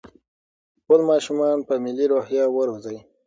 خپل ماشومان په ملي روحيه وروزئ.